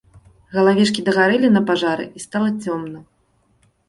Галавешкі дагарэлі на пажары, і стала цёмна.